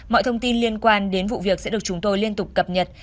mọi thông tin liên quan đến vụ việc sẽ được chúng tôi liên tục cập nhật